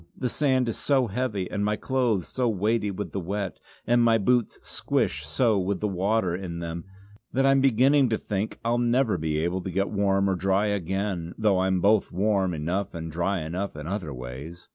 The sand is so heavy, and my clothes are so weighty with the wet, and my boots squish so with the water in them that I'm beginning to think I'll never be able to get warm or dry again; though I'm both warm enough and dry enough in other ways."